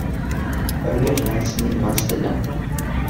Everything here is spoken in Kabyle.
Rriɣ-as, nniɣ-as ala.